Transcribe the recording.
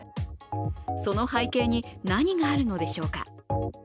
その背景に何があるのでしょうか。